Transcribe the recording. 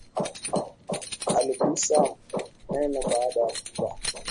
Alisugua meno baada ya kula